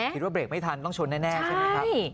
คิดว่าเบรกไม่ทันต้องชนแน่ใช่ไหม